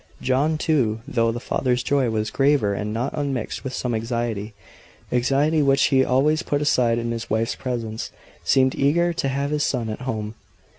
John, too, though the father's joy was graver and not unmixed with some anxiety anxiety which he always put aside in his wife's presence seemed eager to have his son at home.